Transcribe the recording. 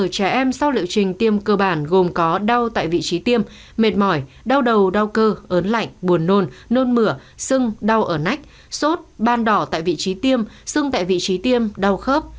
một mươi trẻ em sau liệu trình tiêm cơ bản gồm có đau tại vị trí tiêm mệt mỏi đau đầu đau cơ ớn lạnh buồn nôn nôn mửa sưng đau ở nách sốt ban đỏ tại vị trí tiêm sưng tại vị trí tiêm đau khớp